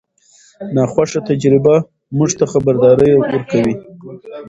ناخوښه تجربه موږ ته خبرداری ورکوي.